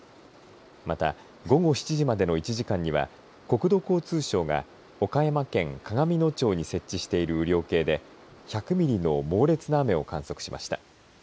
また午後７時までの１時間には国土交通省が岡山県鏡野町に設置している雨量計で１００ミリの猛烈な雨を観測しました。